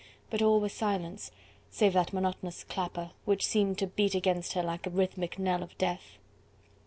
But all was silence, save that monotonous clapper, which seemed to beat against her heart like a rhythmic knell of death.